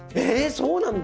そうなんだ。